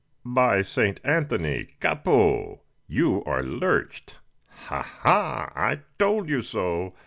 By St. Anthony, capot! You are lurched ha! ha! I told you so.